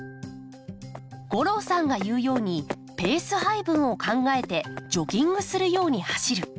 吾郎さんが言うようにペース配分を考えてジョギングするように走る。